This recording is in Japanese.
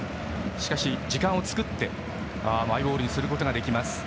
しかし、時間を作ってマイボールにすることができます。